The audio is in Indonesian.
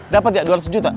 dapat ya dua ratus juta